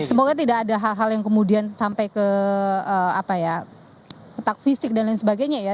semoga tidak ada hal hal yang kemudian sampai ke letak fisik dan lain sebagainya ya